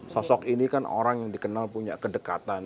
sosok ini kan orang yang dikenal punya kedekatan